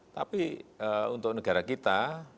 tapi untuk negara kita